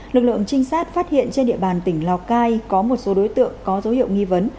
lực lượng trinh sát phát hiện trên địa bàn tỉnh lào cai có một số đối tượng có dấu hiệu nghi vấn